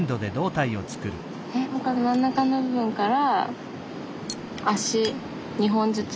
えっ真ん中の部分から足２本ずつ？